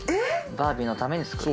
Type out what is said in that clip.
バービーのために作る。